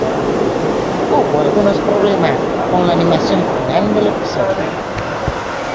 Hubo algunos problemas con la animación final del episodio.